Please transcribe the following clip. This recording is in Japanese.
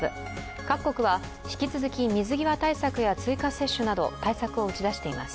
各国は引き続き水際対策や追加接種など対策を打ち出しています。